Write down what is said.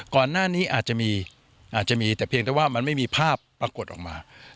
ก่อนหน้านี้อาจจะมีอาจจะมีแต่เพียงแต่ว่ามันไม่มีภาพปรากฏออกมา